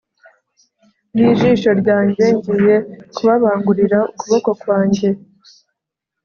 y ijisho ryanjye Ngiye kubabangurira ukuboko kwanjye